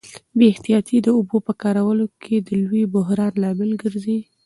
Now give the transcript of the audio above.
بې احتیاطي د اوبو په کارولو کي د لوی بحران لامل ګرځي.